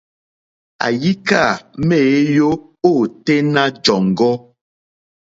Àyíkâ méěyó ôténá jɔ̀ŋgɔ́.